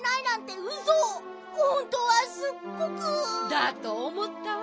だとおもったわ。